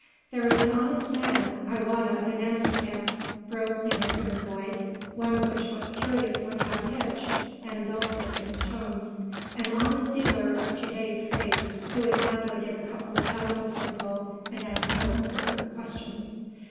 "There is an honest man I wot of in Amsterdam," broke in a third voice, one which was curiously high pitched and dulcet in its tones, "an honest dealer of Judaic faith, who would gladly give a couple of thousand for the bulb and ask no impertinent questions."